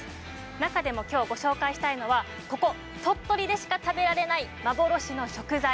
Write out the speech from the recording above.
中でも今日ご紹介したいのはここ鳥取でしか食べられない幻の食材。